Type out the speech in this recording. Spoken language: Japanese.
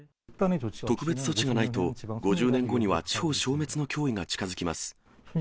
特別措置がないと、５０年後には地方消滅の脅威が近づきます。